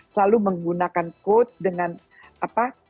selalu menggunakan quote dengan apa